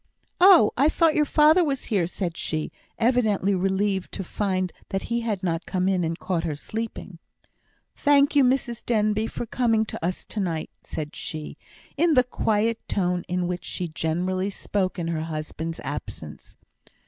"Oh! I thought your father was here," said she, evidently relieved to find that he had not come in and caught her sleeping. "Thank you, Mrs Denbigh, for coming to us to night," said she, in the quiet tone in which she generally spoke in her husband's absence.